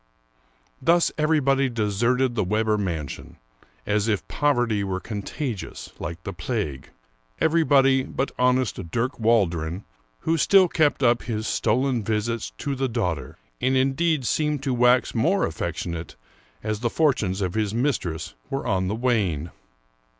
Thus everybody deserted the Webber mansion, as if poverty were contagious, like the plague — everybody but honest Dirk Waldron, who still kept up his stolen \' isits to the daughter, and indeed seemed to wax more affectionate as the fortunes of his mistress were on the wane.